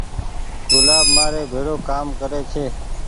گلآب مآر ڀيڙو ڪآم ڪري ڇي۔